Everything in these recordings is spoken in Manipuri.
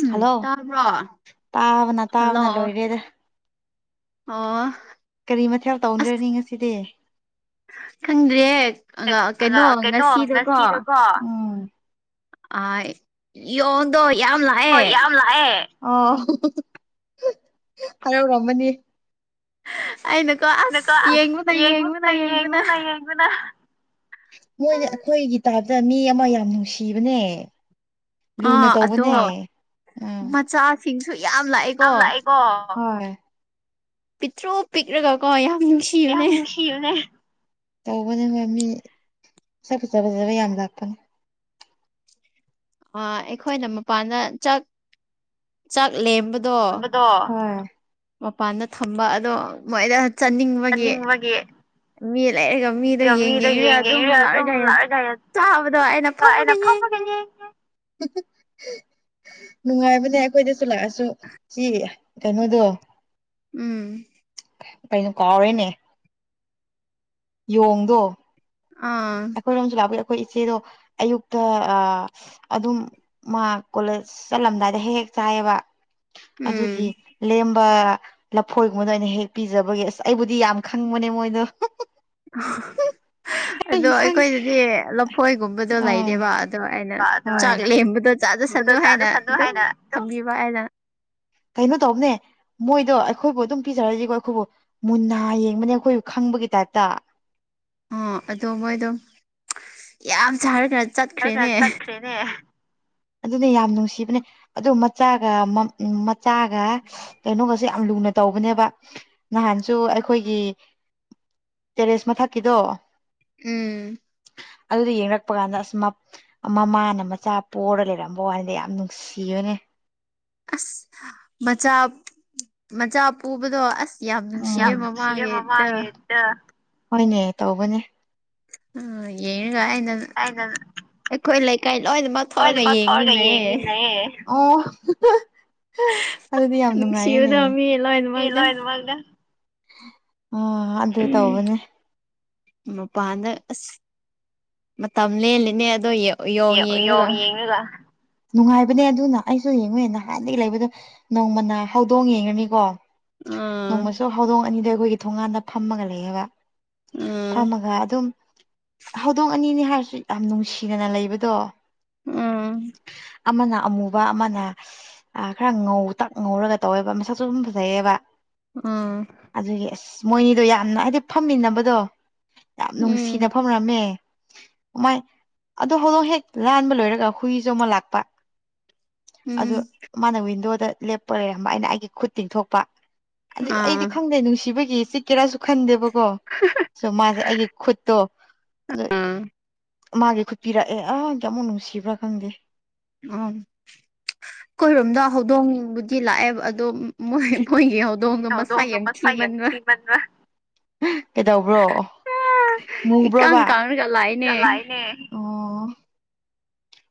ꯎꯝ ꯍꯂꯣ ꯇꯥꯕ꯭ꯔꯣ ꯇꯥꯕꯅ ꯇꯥꯕꯅ ꯍꯜꯂꯣ ꯂꯣꯏꯔꯦꯗ ꯑꯣ ꯀꯔꯤ ꯃꯊꯦꯜ ꯑꯁ ꯇꯧꯒꯔꯅꯤ ꯉꯁꯤꯗꯤ ꯈꯪꯗ꯭ꯔꯦ ꯀꯩꯅꯣ ꯉꯁꯤꯗꯣꯀꯣ [unintelligible] ꯌꯥꯝ ꯂꯥꯛꯑꯦ ꯑꯣ ꯍꯥꯔꯥꯎꯔꯝꯃꯅꯤ ꯑꯩꯅꯀꯣ ꯏꯀꯣ ꯑꯁ ꯌꯦꯡꯕꯅ ꯌꯦꯡꯕꯅ ꯌꯦꯡꯉꯉꯗ ꯌꯦꯡꯕꯅ ꯌꯦꯡꯉꯉꯗ ꯌꯦꯡꯉꯅ ꯃꯣꯏꯅ ꯑꯩꯈꯣꯏꯒꯤ ꯇꯥꯏꯞꯇ ꯃꯤ ꯑꯃ ꯌꯥꯝ ꯅꯨꯡꯁꯤꯕꯅꯦ ꯂꯨꯅ ꯑꯥ ꯑꯗꯣ ꯇꯧꯕꯅꯦ ꯎꯝ ꯃꯆꯥꯁꯤꯡꯁꯨ ꯌꯥꯝ ꯌꯥꯝ ꯂꯥꯛꯑꯦꯀꯣ ꯍꯣꯏ ꯄꯤꯇ꯭ꯔꯨ ꯄꯤꯛꯔꯒꯀꯣ ꯌꯥꯝ ꯌꯥꯝ ꯅꯨꯡꯁꯤꯕꯅꯦ ꯅꯨꯡꯁꯤꯌꯨꯅꯦ ꯇꯧꯕꯅꯦ ꯍꯣꯏ ꯃꯤ ꯁꯛ ꯐꯖ ꯐꯖꯕ ꯌꯥꯝ ꯂꯥꯛꯄꯅꯦ ꯑ ꯑꯩꯈꯣꯏꯅ ꯃꯄꯥꯟꯗ ꯆꯥꯛ ꯆꯥꯛ ꯂꯦꯝꯕ [unintelligible] ꯍꯣꯏ ꯃꯄꯥꯟꯗ ꯊꯝꯕ ꯑꯗꯣ ꯃꯣꯏꯗ ꯆꯠꯅꯤꯡꯕꯒꯤ ꯆꯥꯅꯤꯡꯕꯒꯤ ꯃꯤ ꯂꯩꯔꯒ ꯃꯤꯗꯣ ꯌꯦꯡ ꯌꯦꯡꯔꯒ ꯑꯗꯨꯝ ꯂꯥꯛꯔꯒ ꯆꯥꯕꯗꯣ ꯑꯩꯅ ꯐꯝꯃꯒ ꯌꯦꯡꯉꯦ [unintelligible] ꯅꯨꯡꯉꯥꯏꯕꯅꯦ ꯑꯩꯈꯣꯏꯗꯁꯨ ꯂꯥꯛꯑꯁꯨ ꯁꯤ ꯀꯩꯅꯣꯗꯣ ꯎꯝ ꯀꯩꯅ ꯀꯥꯎꯋꯦꯅꯦ ꯌꯣꯡꯗꯣ ꯑꯥ ꯑꯩꯈꯣꯏꯔꯣꯝꯁꯨ ꯂꯥꯛꯄꯒꯤ ꯑꯩꯈꯣꯏ ꯏꯆꯦꯗꯣ ꯑꯌꯨꯛꯇ ꯑꯗꯨꯝ ꯃꯥ ꯀꯣꯂꯦꯖ ꯆꯠꯂꯝꯗꯥꯏꯗ ꯍꯦꯛ ꯆꯥꯏꯕ ꯎꯝ ꯑꯗꯨꯒꯤ ꯂꯐꯣꯏꯒꯨꯝꯕꯗ ꯑꯣꯏꯅ ꯍꯦꯛ ꯄꯤꯖꯕꯒꯤ ꯑꯁ ꯑꯩꯕꯨꯗꯤ ꯌꯥꯝ ꯈꯪꯕꯅꯦ ꯃꯣꯏꯗꯣ ꯑꯗꯣ ꯑꯩ ꯁꯪ ꯑꯩꯈꯣꯏꯗꯗꯤ ꯂꯐꯣꯏꯒꯨꯝꯕꯗꯣ ꯑꯥ ꯂꯩꯔꯕ ꯑꯗꯣ ꯑꯩꯅ ꯑꯗꯣ ꯆꯥꯛ ꯑꯩꯅ ꯂꯦꯝꯕꯗ ꯈꯪꯕꯗꯣ ꯆꯥꯖꯁꯅꯨ ꯍꯥꯏꯅ ꯆꯥꯖꯁꯅꯨ ꯑꯗꯨꯝ ꯍꯥꯏꯅ ꯊꯝꯕꯤꯕ ꯑꯩꯅ ꯀꯩꯅꯣ ꯇꯧꯕꯅꯦ ꯃꯣꯏꯗꯣ ꯑꯩꯈꯣꯏꯕꯨ ꯑꯗꯨꯝ ꯄꯤꯖꯔꯗꯤꯀꯣ ꯑꯩꯈꯣꯏꯕꯨ ꯃꯨꯟꯅ ꯌꯦꯡꯕꯅꯦ ꯑꯩꯈꯣꯏꯕꯨꯪ ꯀꯨꯝ ꯀ ꯇꯠꯇ ꯑꯣ ꯑꯗꯣ ꯃꯣꯏꯗꯣ ꯌꯥꯝ ꯁꯥꯔ ꯈ꯭ꯔ ꯈꯔ ꯈꯔ ꯆꯠꯈ꯭ꯔꯦꯅꯦ ꯑꯗꯨ ꯌꯥꯝ ꯅꯨꯡꯁꯤꯕꯅꯦ ꯑꯗꯨ ꯃꯆꯥꯒ ꯃꯆꯥꯒ ꯀꯩꯅꯣꯒꯁꯦ ꯌꯥꯝ ꯂꯨꯅ ꯇꯧꯕꯅꯦꯕ ꯅꯍꯥꯟꯁꯨ ꯑꯩꯈꯣꯏꯒꯤ ꯇꯦꯔꯦꯁ ꯃꯊꯛꯀꯤꯗꯣ ꯎꯝ ꯑꯗꯨꯗ ꯌꯦꯡꯛꯄ ꯀꯥꯟꯗ ꯑꯁ ꯃꯃꯥꯅ ꯃꯆꯥ ꯄꯔ ꯂꯩꯔꯝꯕ ꯋꯥꯅꯤꯗ ꯌꯥꯝ ꯅꯨꯡꯁꯤꯌꯨꯅꯦ ꯑꯁ ꯃꯆꯥ ꯃꯆꯥ ꯄꯨꯕꯗꯣ ꯑꯁ ꯌꯥꯝ ꯅꯨꯡꯁꯤꯌꯦ ꯃꯃꯥꯡꯉꯦꯇ ꯍꯣꯏꯅꯦ ꯇꯧꯕꯅꯦ ꯑ ꯌꯦꯒꯅꯅ ꯑꯩꯈꯣꯏ ꯂꯩ ꯍꯗ ꯃꯥ ꯊꯔꯒ ꯌꯦꯡꯃꯤꯅꯦ ꯎ ꯑꯗꯨꯗꯤ ꯌꯥꯝ ꯅꯨꯡꯉꯥꯏꯦꯅꯦ ꯅꯨꯡꯁꯤꯕꯗꯣ ꯃꯤ ꯂꯣꯏꯅꯃꯛꯅ ꯑ ꯑꯗꯨ ꯇꯧꯕꯅꯦ ꯃꯄꯥꯟꯗ ꯑꯁ ꯃꯇꯝ ꯂꯦꯜꯂꯤꯅꯦ ꯑꯗꯣ ꯌꯦ ꯌꯦꯣꯡ ꯌꯦꯡꯅꯨꯒ ꯅꯨꯡꯉꯥꯏꯕꯅꯦ ꯑꯗꯨꯅ ꯑꯩꯁꯨ ꯌꯦꯡꯉꯨ ꯅꯍꯥꯟꯗꯒꯤ ꯂꯩꯕꯗꯣ ꯅꯣꯡꯃꯅꯥ ꯍꯧꯗꯣꯡ ꯌꯦꯡꯉꯅꯤꯀꯣ ꯅꯣꯡꯃꯁꯨ ꯍꯧꯗꯣꯡ ꯑꯅꯤꯗ ꯑꯩꯈꯣꯏꯒꯤ ꯊꯣꯡꯒꯥꯟꯗ ꯐꯝꯃꯒ ꯂꯩꯑꯕ ꯐꯝꯃꯒ ꯑꯗꯨꯝ ꯍꯧꯗꯣꯡ ꯑꯅꯤꯅꯤ ꯍꯥꯏꯔꯁꯨ ꯌꯥꯝ ꯅꯨꯡꯁꯤꯅꯅ ꯂꯩꯕ ꯗꯣ ꯑ ꯑꯃꯅ ꯑꯃꯨꯕ ꯑꯃꯅ ꯑ ꯈꯔ ꯉꯧ ꯇꯛ ꯉꯧꯔꯒ ꯇꯧꯋꯦꯕ ꯃꯁꯛꯁꯨ ꯑꯗꯨꯝ ꯐꯖꯩꯑꯕ ꯎꯝ ꯃꯣꯏꯅꯤꯗꯣ ꯌꯥꯝꯅ ꯍꯥꯏꯗꯤ ꯐꯝꯃꯤꯟꯅꯕꯗꯣ ꯌꯥꯝ ꯅꯨꯡꯁꯤꯅ ꯎꯝ ꯐꯝꯅꯔꯝꯃꯦ ꯃꯃꯥꯏ ꯑꯣ ꯍꯗꯣꯡ ꯍꯦꯛ ꯂꯥꯟꯕ ꯂꯣꯏꯔꯒ ꯍꯨꯏꯁꯨ ꯑꯃ ꯂꯥꯛꯄ ꯑꯗꯨ ꯎꯝ ꯃꯥꯅ ꯋꯤꯟꯗꯣꯗ ꯂꯦꯞꯄ ꯂꯩꯔꯝꯕ ꯑꯩꯅ ꯑꯩꯒꯤ ꯈꯨꯠ ꯇꯤꯡꯊꯣꯛꯄ ꯑꯗꯨ ꯑꯥ ꯑꯩꯗꯤ ꯈꯪꯗꯦ ꯅꯨꯡꯁꯤꯕꯒꯤ ꯆꯤ ꯀꯦꯔꯥꯁꯨ ꯈꯟꯗꯦꯕ ꯀꯣ ꯁꯣ ꯃꯥꯁꯦ ꯑꯩꯒꯤ ꯈꯨꯠꯇꯣ ꯑꯥ ꯃꯥꯒꯤ ꯈꯨꯠ ꯄꯤꯔꯛꯑꯦ ꯑ ꯀꯦꯃꯣ ꯎꯁꯤꯕ꯭ꯔ ꯈꯥꯟꯗꯦ ꯎꯝ ꯑꯩꯈꯣꯏꯔꯣꯝꯗ ꯍꯧꯗꯣꯡꯕꯨꯗꯤ ꯂꯥꯛꯑꯦꯕ ꯑꯗꯣ ꯃꯣꯏꯣꯏꯒꯤ ꯍꯧ ꯗꯉ ꯍꯧꯗꯣꯡꯗꯣ ꯃꯁꯥꯏꯦꯝ ꯊꯤ ꯃꯁꯛ ꯌꯥꯝ ꯃꯕ ꯊꯤꯃꯟꯕ ꯀꯩꯗꯧꯕ꯭ꯔꯣ ꯏꯀꯪ ꯃꯨꯕ꯭ꯔꯣꯕ ꯀꯪꯔꯒ ꯂꯥꯛꯏꯅꯦ ꯂꯥꯛꯅꯦ ꯑꯣ ꯑꯣ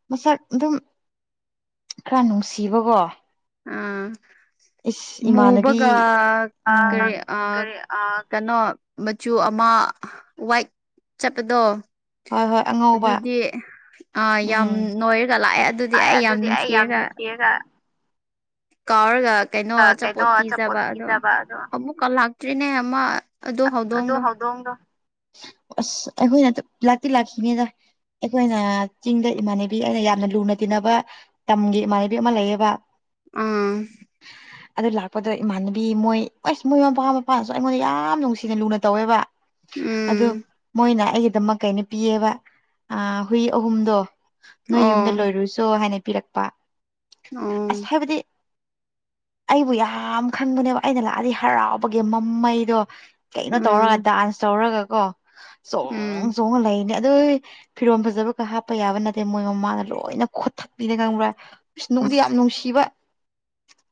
ꯃꯁꯛ ꯑꯗꯨꯝ ꯈꯔ ꯅꯨꯡꯁꯤꯕꯀꯣ ꯑꯥ ꯏꯁ ꯏꯃꯥꯟꯅꯕꯤ ꯃꯨꯕꯒ ꯑꯥ ꯀꯔꯤ ꯑ ꯀꯔꯤ ꯑꯥ ꯀꯩꯅꯣ ꯃꯆꯨ ꯑꯃ ꯋꯥꯏꯛ ꯆꯠꯄꯗꯣ ꯍꯣꯏ ꯍꯣꯏ ꯑꯉꯧꯕ ꯑꯗꯨꯗꯤ ꯑ ꯌꯥꯝ ꯎꯝ ꯅꯣꯏꯔꯒ ꯂꯥꯛꯑꯦ ꯑꯗꯨꯗꯤ ꯑꯩ ꯌꯥꯝ ꯅꯨꯡꯁꯤꯔꯒ ꯁꯤꯒ ꯀꯥꯎꯔꯒ ꯀꯩꯅꯣ ꯀꯩꯅꯣ ꯑꯆꯥꯄꯣꯠ ꯄꯤꯖꯕ ꯑꯗꯣ ꯄꯤꯖꯕ ꯑꯃꯨꯛꯀ ꯂꯥꯛꯇ꯭ꯔꯤꯅꯦ ꯑꯃ ꯑꯗꯨ ꯑꯣ ꯍꯧꯗꯣꯡꯗꯣ ꯍꯧꯗꯣꯡꯗꯣ ꯑꯁ ꯑꯩꯈꯣꯏꯅ ꯂꯥꯛꯇꯤ ꯂꯥꯛꯈꯤꯅꯦꯗ ꯑꯩꯈꯣꯏꯅ ꯆꯤꯡꯗ ꯏꯃꯥꯟꯅꯕꯤ ꯑꯩꯅ ꯌꯥꯝꯅ ꯂꯨꯅ ꯇꯤꯟꯅꯕ ꯇꯝꯒꯤ ꯏꯃꯥꯟꯅꯕꯤ ꯑꯃ ꯂꯩꯌꯦꯕ ꯑꯥ ꯑꯗꯨ ꯂꯥꯛꯄꯗꯨꯗ ꯏꯃꯥꯟꯅꯕꯤ ꯃꯣꯏ ꯑꯁ ꯃꯣꯏ ꯃ ꯃꯄꯥ ꯃꯄꯥꯅꯁꯨ ꯑꯩꯉꯣꯟꯗ ꯌꯥꯝ ꯅꯨꯡꯁꯤꯅ ꯂꯨꯅ ꯇꯧꯋꯦꯕ ꯑꯗꯨ ꯎꯝ ꯃꯣꯏꯅ ꯑꯩꯒꯤꯗꯃꯛ ꯀꯩꯅꯣ ꯄꯤꯌꯦꯕ ꯑ ꯍꯨꯏ ꯑꯍꯨꯝꯗꯣ ꯅꯣꯏ ꯑꯣ ꯌꯨꯝꯗ ꯂꯣꯏꯔꯨꯁꯣ ꯍꯥꯏꯅ ꯄꯤꯔꯛꯄ ꯑꯣ ꯑꯁ ꯍꯥꯏꯕꯗꯤ ꯑꯩꯕꯨ ꯌꯥꯝ ꯈꯟꯕꯅꯦꯕ ꯑꯩꯅ ꯂꯥꯛꯑꯗꯤ ꯍꯔꯥꯎꯕꯒꯤ ꯃꯃꯩꯗꯣ ꯀꯩꯅꯣ ꯎꯝ ꯇꯧꯔꯒ ꯗꯥꯟꯁ ꯇꯧꯔꯒ ꯀꯣ ꯎꯝ ꯆꯣꯡ ꯆꯣꯡ ꯂꯩ ꯑꯗꯨ ꯐꯤꯔꯣꯝ ꯐꯖꯕꯒ ꯍꯥꯞꯄ ꯌꯥꯕ ꯅꯠꯇꯦ ꯃꯣꯏ ꯃꯃꯥꯅ ꯂꯣꯏꯅ ꯈꯣ ꯊꯛꯄꯤꯅ ꯈꯪꯕ꯭ꯔꯥ ꯁꯅꯨꯡꯗꯤ ꯌꯥꯝ ꯅꯨꯡꯁꯤꯕ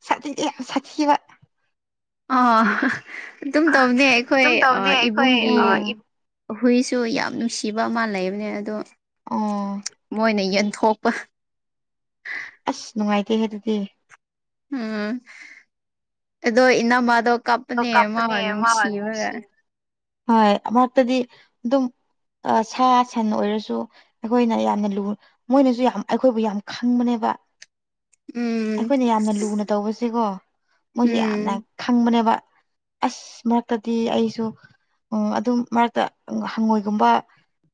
ꯁꯥꯊꯤꯗꯤ ꯌꯥꯝ ꯁꯥꯊꯤꯕ ꯑ ꯑꯗꯨꯝ ꯇꯧꯅꯦ ꯑꯩꯈꯣꯏ ꯑꯗꯨꯝ ꯇꯧꯅꯦ ꯑꯩꯈꯣꯏ ꯏꯕꯨꯡꯒꯤ ꯑ ꯍꯨꯏꯁꯨ ꯌꯥꯝ ꯅꯨꯡꯁꯤꯕ ꯑꯃ ꯂꯩꯕꯅꯦ ꯑꯗꯣ ꯎꯝ ꯊꯣꯛꯣꯄ ꯑꯁ ꯅꯨꯡꯉꯥꯏꯇꯦꯍꯦ ꯑꯗꯨꯗꯤ ꯎꯝ ꯑꯗꯨꯗꯣ ꯏꯅꯥ ꯃꯥꯗ ꯀꯞꯅꯦ ꯀꯞꯄꯅꯦ ꯃꯥꯃ ꯃꯥ ꯅꯨꯡꯁꯤꯕꯒ ꯅꯨꯡꯁꯤ ꯍꯣꯏ ꯃꯥꯛꯇꯗꯤ ꯑꯗꯨꯝ ꯁꯥ ꯁꯟ ꯑꯣꯏꯔꯁꯨ ꯑꯩꯈꯣꯏꯅ ꯌꯥꯝꯅ ꯂꯨ ꯃꯣꯏꯅꯁꯨ ꯌꯥꯝ ꯑꯩꯈꯣꯏꯕꯨ ꯌꯥꯝ ꯈꯪꯕꯅꯦꯕ ꯋꯥ ꯎꯝ ꯑꯩꯈꯣꯏꯅ ꯌꯥꯝꯅ ꯂꯨꯅ ꯇꯧꯕꯁꯦꯀꯣ ꯃꯣꯏꯁꯦ ꯌꯥꯝꯅ ꯎꯝ ꯈꯪꯕꯅꯦꯕ ꯑꯁ ꯃꯠꯇꯗꯤ ꯑꯩꯁꯨ ꯎꯝ ꯑꯗꯨꯝ ꯃꯔꯛꯇ ꯍꯪꯉꯣꯏꯒꯨꯝꯕ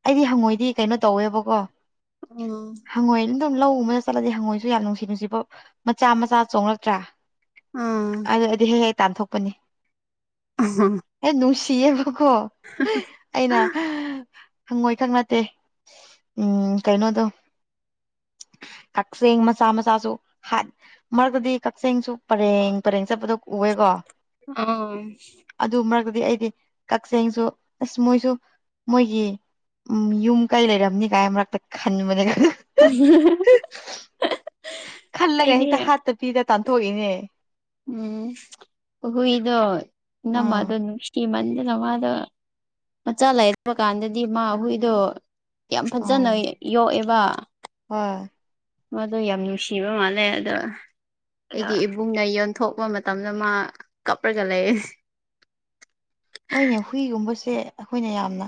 ꯑꯩꯗꯤ ꯍꯪꯉꯣꯏꯗꯤ ꯀꯩꯅꯣ ꯇꯧꯋꯦꯕꯀꯣ ꯎꯝ ꯍꯪꯉꯣꯏ ꯑꯗꯨꯝ ꯂꯧ ꯎꯕꯗ ꯆꯠꯂꯗꯤ ꯍꯪꯉꯣꯏꯁꯨ ꯌꯥꯝ ꯅꯨꯡꯁꯤ ꯅꯨꯡꯁꯤꯕꯥꯎ ꯃꯆꯥ ꯃꯆꯥ ꯆꯣꯡꯂꯛꯇ꯭ꯔꯥ ꯎꯝ ꯑꯗꯨꯗꯤ ꯍꯦꯛ ꯍꯦꯛ ꯇꯥꯟꯊꯣꯛꯄꯅꯤ ꯑꯦ ꯅꯨꯡꯁꯤꯕ ꯀꯣ ꯑꯩꯅ ꯍꯪꯉꯣꯏ ꯈꯛ ꯅꯠꯇꯦ ꯎꯝ ꯀꯩꯅꯣꯗꯣ [unintelligible] ꯀꯛꯆꯦꯡ ꯃꯆꯥ ꯃꯆꯥꯁꯨ ꯃꯔꯛꯇꯗꯤ ꯀꯛꯆꯤꯡꯁꯨ ꯄꯔꯦꯡ ꯄꯔꯦꯡ ꯆꯠꯄꯗ ꯎꯑꯦꯀꯣ ꯑꯥ ꯗꯤ ꯑꯩꯗꯤ ꯀꯛꯆꯤꯡꯁꯨ ꯑꯁ ꯃꯣꯏꯁꯨ ꯃꯣꯏꯒꯤ ꯎꯝ ꯌꯨꯝ ꯀꯩ ꯂꯩꯔꯝꯅꯤ ꯀꯥꯏ ꯃꯔꯛꯇ ꯈꯟꯕꯅꯦ ꯈꯜꯂꯒ ꯑꯩꯗꯤ ꯍꯦꯛꯇ ꯍꯥꯠꯇ ꯄꯤꯔ ꯇꯥꯟꯊꯣꯛꯏꯅꯦ ꯎꯝ ꯑꯣꯍꯣ ꯏꯣ ꯅꯃ ꯑꯥ ꯑꯗꯨ ꯅ ꯁꯤꯤ ꯃꯅꯤ ꯑꯗꯨꯩꯅ ꯃꯥꯗ ꯃꯆꯥ ꯂꯩꯔꯕ ꯀꯥꯟꯗꯗꯤ ꯃꯥ ꯍꯨꯏꯗꯣ ꯌꯥꯝ ꯐꯖꯅ ꯌꯣꯛꯑꯦꯕ ꯍ ꯃꯗꯣ ꯌꯥꯝ ꯅꯨꯡꯁꯤꯕ ꯃꯥꯜꯂꯦ ꯑꯗꯣ ꯑꯩꯒꯤ ꯏꯕꯨꯡꯅ ꯌꯣꯟ ꯊꯣꯛꯄ ꯃꯇꯝꯗ ꯃꯥ ꯀꯞꯄꯒ ꯂꯩ ꯍꯣꯏꯅꯦ ꯍꯨꯏꯒꯨꯝꯕꯁꯦ ꯑꯩꯈꯣꯏꯅ ꯌꯥꯝꯅ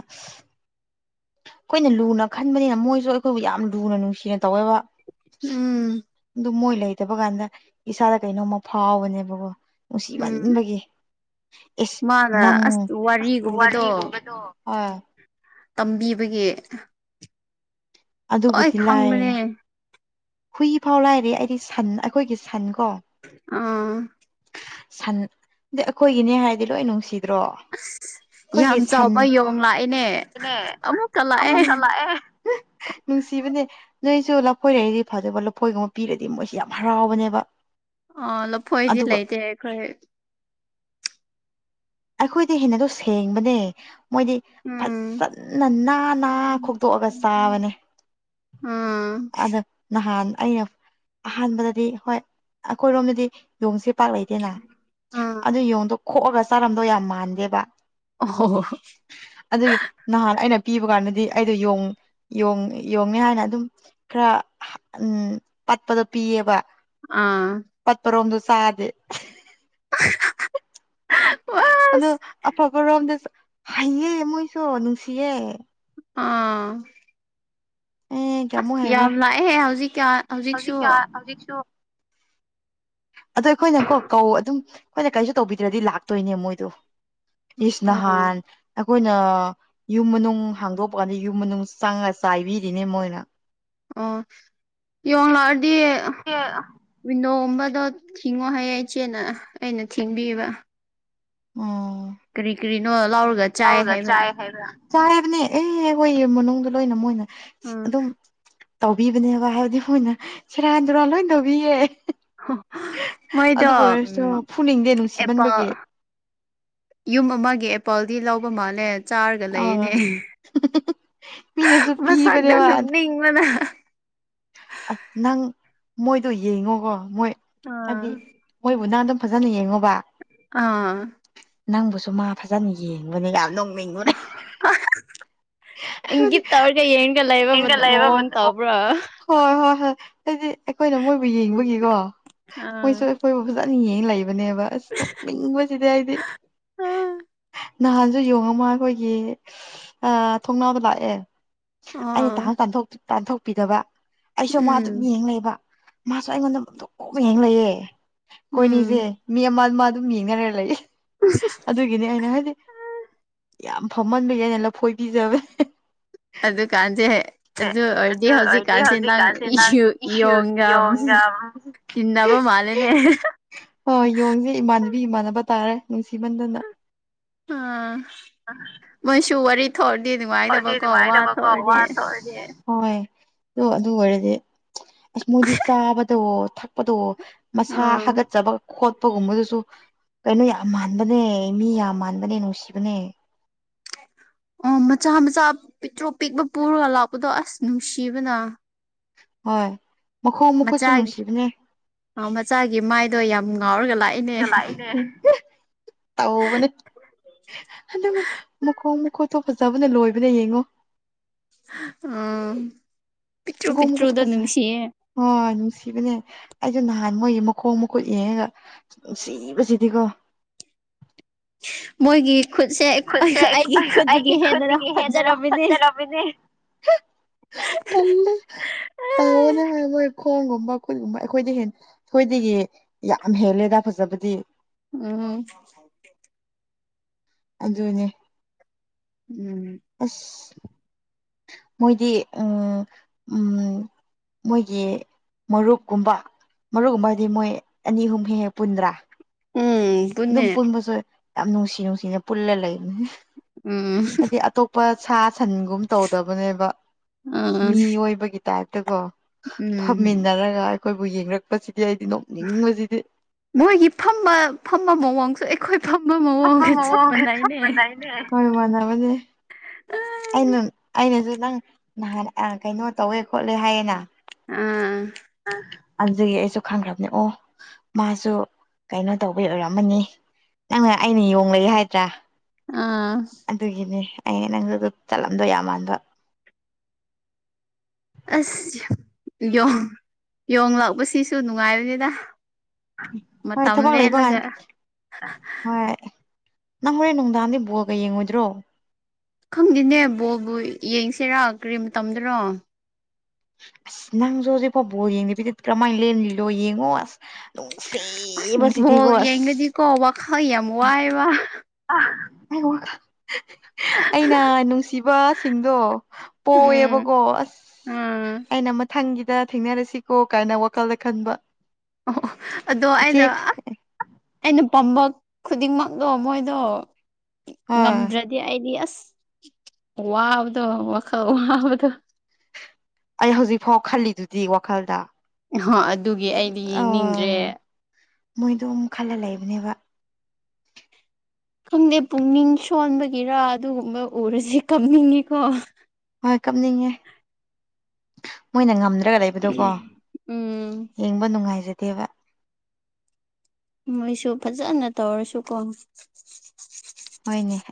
ꯑꯩꯈꯣꯏꯅ ꯂꯨꯅ ꯈꯟꯕꯅꯤꯅ ꯃꯣꯏꯁꯨ ꯑꯩꯈꯣꯏꯕꯨ ꯌꯥꯝ ꯂꯨꯅ ꯅꯨꯡꯁꯤꯅ ꯇꯧꯋꯦꯕ ꯎꯝ ꯑꯗꯨ ꯃꯣꯏ ꯂꯩꯇꯕ ꯀꯥꯟꯗ ꯏꯁꯥꯗ ꯀꯩꯅꯣꯝꯃ ꯐꯥꯎꯕꯅꯦꯕꯀꯣ ꯎꯝ ꯅꯨꯡꯁꯤꯃꯟꯕꯒꯤ ꯏꯁ ꯃꯥꯅ ꯅꯪ ꯑꯁ ꯋꯥꯔꯤꯒꯨꯝꯕꯗꯣ ꯇꯝꯕꯤꯕꯒꯤ ꯂꯣꯏ ꯑꯗꯨꯕꯨꯗꯤ ꯂꯥꯏꯑꯦ ꯈꯪꯕꯅꯦ ꯍꯨꯏ ꯐꯥꯎ ꯂꯥꯏꯔꯦ ꯑꯩꯗꯤ ꯁꯟ ꯑꯩꯈꯣꯏꯒꯤ ꯁꯟ ꯀꯣ ꯑꯥ ꯁꯟ ꯑ ꯑꯩꯈꯣꯏꯒꯤꯅꯦ ꯍꯥꯏꯗꯤ ꯂꯣꯏ ꯅꯨꯡꯁꯤꯗ꯭ꯔꯣ ꯑꯩꯈꯣꯏꯒꯤ ꯌꯥꯝ ꯆꯥꯎꯕ ꯌꯣꯡ ꯂꯥꯛꯑꯦꯅꯦ ꯁꯟꯅꯦ ꯑꯃꯨꯛꯀ ꯂꯥꯛꯑꯦ ꯑꯃꯨꯅ ꯂꯥꯛꯑꯦ ꯅꯨꯡꯁꯤꯕꯅꯦ ꯅꯣꯏꯁꯨ ꯂꯐꯣꯏꯔꯛꯏꯅꯦ ꯐꯖꯕ ꯂꯐꯣꯏꯒꯨꯝꯕ ꯄꯤꯔꯗꯤ ꯃꯣꯏꯁꯤ ꯌꯥꯝ ꯍꯔꯥꯎꯕꯅꯦꯕ ꯑ ꯂꯐꯣꯏꯗꯤ ꯑꯗꯨꯒ ꯂꯩꯇꯦ ꯑꯩꯈꯣꯏ ꯑꯩꯈꯣꯏꯗꯤ ꯍꯦꯟꯅꯗꯣ ꯁꯦꯡꯕꯅꯦ ꯃꯣꯏꯗꯤ ꯎꯝ ꯐꯖꯅ ꯅꯥ ꯅꯥ ꯈꯣꯛꯇꯣꯛꯑꯒ ꯆꯥꯕꯅꯦ ꯎꯝ ꯑꯗ ꯅꯍꯥꯟ ꯑꯩꯅ ꯑꯍꯥꯟꯕꯗꯗꯤ ꯍꯣꯏ ꯑꯩꯈꯣꯏꯔꯣꯝꯗꯗꯤ ꯌꯣꯡꯁꯦ ꯄ ꯂꯩꯇꯦꯅ ꯎꯝ ꯑꯗꯨ ꯌꯦꯡꯣꯟꯗꯣ ꯈꯣꯛꯑꯒ ꯆꯥꯔꯝꯗꯣ ꯌꯥꯝ ꯃꯥꯟꯗꯦꯕ ꯑꯣ ꯑꯗꯨꯒꯤ ꯅꯍꯥꯟ ꯑꯩꯅ ꯄꯤꯕ ꯀꯥꯟꯗꯗꯤ ꯑꯩꯗꯣ ꯌꯦꯣꯡꯉꯦ ꯍꯥꯏꯅ ꯑꯗꯨꯝ ꯈꯔ ꯎꯝ ꯄꯠꯄꯗ ꯄꯤꯌꯦꯕ ꯑꯥ ꯁꯥꯗꯦ [unintelligible] ꯑꯗꯣ ꯑꯁ ꯑꯐꯕ ꯔꯣꯝꯗ ꯍꯩꯌꯦ ꯃꯣꯏꯁꯨ ꯅꯨꯡꯁꯤꯌꯦ ꯑꯥ ꯑꯦ ꯑꯁ ꯀꯌꯥꯃꯨꯛ ꯍꯩꯕ꯭ꯔꯥ ꯌꯥꯝ ꯂꯥꯛꯑꯦ ꯍꯧꯖꯤꯛꯀ ꯍꯧꯖꯤꯛꯁꯨ ꯍꯧꯖꯤꯛ ꯀꯌꯥ ꯍꯧꯖꯤꯛꯁꯨ ꯑꯗꯣ ꯑꯩꯈꯣꯏꯅꯀꯣ ꯀꯧ ꯑꯗꯨꯝ ꯑꯩꯈꯣꯏꯅ ꯀꯔꯤꯁꯨ ꯇꯧꯕꯤꯗ꯭ꯔꯗꯤ ꯂꯥꯛꯇꯣꯏꯅꯦ ꯃꯣꯏꯗꯣ ꯑꯣ ꯏꯁꯅꯍꯥꯟ ꯑꯩꯈꯣꯏꯅ ꯌꯨꯝ ꯃꯅꯨꯡ ꯍꯥꯡꯗꯣꯛꯄ ꯀꯥꯟꯗ ꯌꯨꯝ ꯃꯅꯨꯡ ꯆꯪꯉꯒ ꯆꯥꯏꯕꯤꯔꯤꯅꯦ ꯃꯣꯏꯅ ꯑꯣ ꯏ ꯋꯥ ꯑꯦ ꯂꯥꯛꯑꯔꯗꯤꯅꯣ ꯄꯨꯝꯕꯗꯣ ꯊꯤꯡꯉꯣ ꯍꯌꯦ ꯏꯆꯦꯅ ꯑꯩꯅ ꯊꯤꯡꯕꯤꯕ ꯎꯝ ꯀꯔꯤ ꯀꯔꯤꯅꯣ ꯂꯥꯎꯔꯒ ꯆꯥꯏ ꯍꯥꯏꯕ꯭ꯔꯥ ꯆꯥꯦꯕꯅꯦ ꯑꯦꯍ ꯍꯣꯏ ꯃꯅꯨꯡꯗ ꯂꯣꯏꯅ ꯃꯣꯏꯅ ꯑꯥ ꯑꯗꯨꯝ ꯇꯧꯕꯤꯕꯅꯦꯕ ꯍꯥꯏꯕꯗꯤ ꯃꯣꯏꯅ ꯁꯦꯔꯥꯟ ꯇꯨꯔꯥꯟ ꯂꯣꯏ ꯇꯧꯕꯤꯌꯦ ꯃꯣꯏꯗ ꯑꯗꯨꯕꯨ ꯎ ꯑꯣꯏꯔꯁꯨ ꯐꯨꯅꯤꯡꯗꯦ ꯑꯦꯄꯣ ꯅꯨꯡꯁꯤꯃꯟꯕꯒꯤ ꯌꯨꯝ ꯑꯃꯒꯤ ꯑꯦꯄꯥꯜꯗꯤ ꯂꯧꯕ ꯃꯥꯜꯂꯦ ꯆꯥꯔꯒ ꯂꯩꯅꯦ ꯑꯥ ꯃꯤꯅꯁꯨ ꯃꯁꯛꯅ ꯅꯨꯅꯤꯡꯕꯅ ꯑ ꯅꯪ ꯃꯣꯏꯗꯣ ꯌꯦꯡꯉꯣꯀꯣ ꯃꯣꯏ ꯑꯥ ꯍꯥꯏꯗꯤ ꯃꯣꯏꯕꯨ ꯅꯥꯟ ꯑꯗꯨꯝ ꯐꯖꯅ ꯌꯦꯡꯉꯨꯕ ꯑꯥ ꯅꯪꯕꯨꯁꯨ ꯃꯥ ꯐꯖꯅ ꯌꯦꯡꯕꯅꯦ ꯌꯥꯝ ꯅꯣꯡ ꯃꯤꯡꯉꯨꯔꯦ ꯍꯤ ꯇꯋꯥ꯭ꯔꯒ ꯌꯦꯟꯒ ꯂꯩꯕ ꯃ ꯌꯦꯡꯒ ꯂꯩꯕ ꯃꯪ ꯃꯇꯝ ꯇꯎꯕ꯭ꯔꯥ ꯍꯣꯏ ꯍꯣꯏ ꯍꯥꯏꯗꯤ ꯑꯩꯈꯣꯏꯅ ꯃꯣꯏꯕꯨ ꯌꯦꯡꯕꯒꯤꯀꯣ ꯑꯥ ꯃꯣꯏꯁꯨ ꯑꯩꯈꯣꯏꯕꯨ ꯐꯖꯅ ꯌꯦꯡꯉ ꯂꯩꯕ ꯅꯦꯕ ꯑꯁ ꯇꯅꯤꯡꯕꯁꯤꯗꯤ ꯍꯥꯏꯗꯤ ꯑꯥ ꯅꯍꯥꯟꯁꯨ ꯌꯦꯡꯉꯝ ꯑꯃ ꯑꯩꯈꯣꯏꯒꯤ ꯊꯣꯡꯅꯥꯕ ꯂꯥꯛꯑꯦ ꯑꯩꯅ ꯑꯣ ꯇꯍꯥꯟ ꯇꯥꯟꯊꯣꯛꯄꯤꯗꯕ ꯑꯩꯁꯨ ꯃꯥ ꯎꯝ ꯑꯗꯨꯝ ꯌꯦꯡ ꯂꯩꯕ ꯃꯥꯁꯨ ꯑꯩꯉꯣꯟꯗ ꯑꯃꯇꯣꯛ ꯀꯣꯛꯅ ꯌꯦꯡ ꯂꯩꯑ ꯎꯝ ꯀꯣꯏꯅꯤꯁꯦ ꯃꯤ ꯑꯃ ꯃꯥ ꯑꯗꯨꯝ ꯌꯦꯡꯅꯔ ꯂꯩꯌꯦꯦ ꯑꯗꯨꯒꯤꯅꯦ ꯑꯩꯅ ꯍꯥꯏꯗꯤ ꯌꯥꯝ ꯐꯝꯍꯟꯕꯒꯤꯅ ꯂꯐꯣꯏ ꯤꯖꯕ ꯑꯗꯨꯗ ꯀꯥꯥꯟꯖꯦꯦ ꯑꯗꯨ ꯑꯣꯏꯔꯗꯤ ꯍꯧꯖꯤꯛꯀꯥꯟꯁꯤꯦ ꯅꯪ ꯌꯦꯣꯡꯒ ꯌꯣꯡꯒ ꯇꯤꯟꯅ ꯋꯥꯣ ꯃꯥꯂꯦꯅꯦ ꯑ ꯌꯦꯣꯡꯁꯦ ꯏꯃꯥꯟꯅꯕꯤ ꯏꯃꯥꯟꯅꯕ ꯇꯥꯔꯦ ꯅꯨꯡꯁꯤꯃꯟꯗꯅ ꯑ ꯃꯣꯏꯁꯨꯨꯋꯥꯔꯤ ꯑꯣꯗꯤꯦꯗꯤꯉꯥꯏꯗꯕꯀꯣ ꯋꯥ ꯇ ꯑꯣꯏꯗꯤꯦ ꯍꯣꯏ ꯑꯗꯣ ꯑꯗꯨ ꯑꯣꯏꯔꯗꯤ ꯑꯁ ꯃꯣꯏꯗꯤ ꯆꯥꯕꯗ ꯊꯛꯄꯗ ꯃꯁꯥ ꯑꯥ ꯍꯥꯒꯠꯆꯕ ꯈꯣꯠꯄ ꯑꯄꯒꯨꯝꯕꯗꯨꯁꯨ ꯀꯩꯅꯣ ꯌꯥꯝ ꯃꯥꯟꯕꯅꯦ ꯃꯤ ꯌꯥꯝ ꯃꯥꯟꯕꯅꯦ ꯅꯨꯡꯁꯤꯕꯅꯦ ꯑꯣ ꯃꯆꯥ ꯃꯆꯥ ꯄꯤꯛꯇ꯭ꯔꯣ ꯄꯤꯛꯄ ꯄꯨꯔꯒ ꯂꯥꯛꯄꯗꯣ ꯑꯁ ꯅꯨꯡꯁꯤꯕꯅ ꯍꯣꯏ ꯃꯈꯣ ꯃꯨꯈꯣꯁꯨ ꯃꯆꯥꯒꯤ ꯅꯨꯡꯁꯤꯕꯅꯦ ꯑ ꯃꯆꯥꯒꯤ ꯃꯥꯏꯗꯣ ꯌꯥꯝ ꯉꯥꯎꯔꯒ ꯂꯥꯛꯏꯅꯦ ꯑꯥꯎ ꯃ ꯑꯇꯣꯞ ꯐꯖꯥꯕꯅ ꯂꯣꯏꯕꯗ ꯌꯦꯡꯉꯣ ꯑ ꯣꯃꯨꯒ ꯐꯖ ꯑꯣ ꯅꯨꯡꯁꯤꯕꯅꯦ ꯑꯩꯁꯨ ꯅꯍꯥꯟ ꯃꯣꯏꯒꯤ ꯃꯈꯣꯡ ꯃꯈꯨꯠ ꯌꯦꯡꯉꯒ ꯅꯨꯡ ꯁꯤꯕꯁꯤꯗꯤꯀꯣ ꯃꯣꯏꯒꯤ ꯈꯨꯠꯁꯦ ꯈꯨꯠꯁꯦ ꯑꯩꯒꯤ ꯈꯨꯠꯇꯒꯤ ꯑꯩꯒꯤ ꯍꯦꯟꯅ ꯈꯨꯠꯇꯒꯤ ꯍꯦꯟꯅꯅ ꯐꯖꯔꯝꯃꯤꯅꯦ ꯍꯣꯠꯖꯔꯕꯅꯦ ꯄꯜ ꯇꯉꯅꯦ ꯍꯥꯏ ꯑꯃꯈꯡ ꯉ ꯠꯒꯨꯝꯕ ꯑꯩꯈꯣꯏꯗ ꯍ ꯊꯣꯏꯗꯒꯤ ꯌꯥꯝ ꯍꯦꯜꯂꯦꯗ ꯐꯖꯕꯗꯤ ꯎꯝ ꯑꯗꯅꯦꯦ ꯎꯝ ꯑꯁ ꯃꯣꯏꯗꯤ ꯎꯝ ꯎꯝ ꯃꯣꯏꯒꯤ ꯃꯔꯨꯞꯀꯨꯝꯕ ꯃꯔꯨꯞꯀꯨꯝꯕꯗꯤ ꯃꯣꯏ ꯑꯅꯤ ꯑꯍꯨꯝ ꯍꯦꯛ ꯍꯦꯛ ꯄꯨꯟꯗ꯭ꯔꯥ ꯎꯝ ꯑꯗꯨꯝ ꯄꯨꯟꯅꯦ ꯄꯨꯟꯕꯁꯨ ꯌꯥꯝ ꯅꯨꯡꯁꯤ ꯅꯨꯡꯁꯤꯅ ꯄꯨꯜꯂ ꯂꯩꯕꯅꯤ ꯎꯝ ꯍꯥꯏꯗꯤ ꯑꯇꯣꯞꯄ ꯁꯥ ꯁꯥꯁꯟꯒꯨꯝ ꯇꯧꯗꯕꯅꯦꯕ ꯑꯥ ꯃꯤꯏꯕꯒꯤ ꯇꯥꯏꯞꯇꯀꯣ ꯎꯝ ꯐꯝꯃꯤꯟꯅꯔꯒ ꯑꯩꯈꯣꯏꯕꯨ ꯌꯦꯡꯂꯡꯛꯄꯁꯤ ꯃꯣꯏꯒꯤ ꯐꯝꯕ ꯐꯝꯕ ꯃꯑꯣꯡꯁꯨ ꯑꯩꯈꯣꯏ ꯊꯝꯕ ꯃꯑꯣꯒꯦ ꯃꯑꯣꯡꯒ ꯆꯞ ꯆꯄꯟꯥꯏꯅꯦ ꯃꯥꯟꯅꯩꯅꯦ ꯍꯣꯏ ꯃꯗꯕꯗꯤꯦ ꯑꯩꯅ ꯑꯩꯅꯁꯨ ꯅꯪ ꯅꯍꯥꯟ ꯀꯩꯅꯣ ꯇꯧꯋꯦ ꯈꯣꯠꯂꯦ ꯍꯥꯏꯌꯦꯅ ꯑꯥ ꯑꯗꯨꯒꯤ ꯑꯩꯁꯨ ꯈꯪꯈ꯭ꯔꯕꯅꯦ ꯑꯣ ꯃꯥꯁꯨ ꯀꯩꯅꯣ ꯇꯧꯕꯩ ꯑꯣꯏꯔꯝꯃꯅꯤ ꯅꯪꯅ ꯑꯩꯅ ꯌꯣꯡꯂꯦ ꯍꯥꯏꯗ꯭ꯔꯥ ꯑꯥ ꯑꯗꯨꯒꯤꯅꯦ ꯑ ꯅꯪꯗꯨ ꯆꯠꯂꯝꯗꯣꯏ ꯌꯥꯝ ꯃꯥꯟꯕ ꯑꯁ ꯌ ꯌꯣ ꯂꯥꯛꯄꯁꯤꯁꯨ ꯅꯨꯡꯉꯥꯏꯕꯅꯤꯗ ꯍꯣꯏ ꯃꯇꯝ ꯊꯕꯛ ꯂꯩꯕ ꯉꯥꯟ ꯂꯦꯜꯂꯒ ꯍꯣꯏ ꯅꯪ ꯍꯣꯔꯦꯟ ꯅꯨꯡꯗꯥꯡꯗꯤ ꯄꯨꯕꯑꯒ ꯌꯦꯡꯉꯣꯏꯗ꯭ꯔꯣ ꯈꯪꯗꯦꯅꯦ ꯕꯣꯕꯨ ꯌꯦꯡꯁꯤꯔꯥ ꯀꯔꯤ ꯃꯇꯝꯗꯨꯔꯣ ꯑꯁ ꯅꯪꯁꯨ ꯍꯧꯖꯤꯛ ꯐꯕ ꯌꯦꯡꯗꯦ ꯄꯤꯗꯤꯗꯤ ꯀꯔꯝꯍꯥꯏꯅ ꯂꯦꯟꯂꯣ ꯌꯦꯡꯉꯣ ꯑꯁ ꯑꯁ ꯚꯣꯜ ꯅꯨꯡꯁꯤꯕꯁꯤꯗꯤꯀꯣ ꯑꯁ ꯌꯦꯡꯒꯗꯤ ꯀꯣ ꯋꯥꯈꯜ ꯌꯥꯝ ꯋꯥꯏꯕ ꯍꯉꯣ ꯑꯩꯅ ꯅꯨꯡꯁꯤꯕꯁꯤꯡꯗꯣ ꯎꯝ ꯄꯣꯛꯑꯦꯕꯀꯣ ꯑꯁ ꯎꯝ ꯑꯩꯅ ꯃꯊꯪꯒꯤꯗ ꯊꯦꯡꯅꯔꯁꯤꯀꯣ ꯀꯥꯏꯅ ꯋꯥꯈꯜꯗ ꯈꯟꯕ ꯑꯣ ꯑꯗꯣ ꯏꯆꯦ ꯑꯩꯅ ꯑꯩꯅ ꯄꯥꯝꯕ ꯈꯨꯗꯤꯡꯃꯛꯅꯣ ꯃꯣꯏꯗꯣ ꯑ ꯉꯝꯗ꯭ꯔꯗꯤ ꯑꯩꯗꯤ ꯑꯁ ꯋꯥ ꯋꯥꯕꯗ ꯋꯥꯈ ꯋꯥꯗ ꯑꯩ ꯍꯧꯖꯤꯛ ꯐꯥꯎ ꯈꯜꯂꯤꯗꯨꯗꯤ ꯋꯥꯈꯜꯗ ꯍ ꯑꯗꯨꯒꯤ ꯑꯩꯗꯤ ꯑ ꯌꯦꯡꯅꯤꯡꯗ꯭ꯔꯦ ꯃꯣꯏꯗꯣ ꯑꯃꯨꯛ ꯈꯜꯂ ꯂꯩꯕꯅꯦꯕ ꯈꯪꯗꯦ ꯄꯨꯛꯅꯤꯡ ꯁꯣꯟꯕꯒꯤꯔ ꯑꯗꯨꯒꯨꯝꯕ ꯎꯔꯁꯤ ꯈꯪꯅꯤꯡꯉꯤꯀꯣ ꯍꯣꯏ ꯀꯞꯅꯤꯡꯉꯦ ꯃꯣꯏꯅ ꯉꯝꯅ ꯂꯩꯕꯗꯣ ꯀꯣ ꯎꯝ ꯌꯦꯡꯕ ꯅꯨꯡꯉꯥꯏꯖꯗꯦꯕ ꯃꯣꯏꯁꯨ ꯐꯖꯅ ꯇꯧꯔꯁꯨꯀꯣ ꯍꯣꯏꯅꯦ